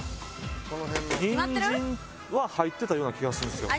ニンジンは入ってたような気がするんですよ。